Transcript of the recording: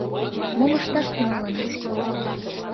Мом ышташ тӱҥалына?